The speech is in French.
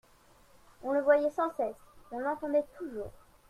On le voyait sans cesse, on l'entendait toujours.